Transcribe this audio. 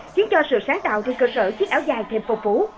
khiến cho sự sáng tạo trên cơ sở chiếc áo dài thêm phong phú